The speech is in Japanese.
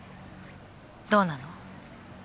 どうなの？